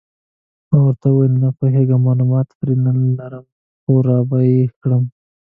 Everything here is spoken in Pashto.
ما ورته وویل: نه پوهېږم، معلومات نه پرې لرم، خو را به یې کړي.